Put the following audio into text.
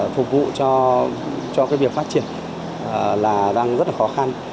phục vụ cho việc phát triển là đang rất là khó khăn